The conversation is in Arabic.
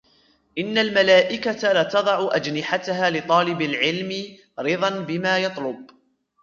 إنَّ الْمَلَائِكَةَ لَتَضَعُ أَجْنِحَتَهَا لِطَالِبِ الْعِلْمِ رِضًا بِمَا يَطْلُبُ